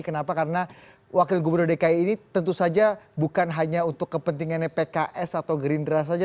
kenapa karena wakil gubernur dki ini tentu saja bukan hanya untuk kepentingannya pks atau gerindra saja